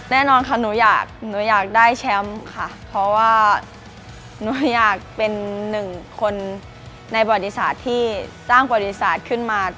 แน่นอนค่ะหนูอยากได้แชมป์ค่ะเพราะว่าหนูอยากเป็นหนึ่งคนในบริษัทที่สร้างบริษัทขึ้นมา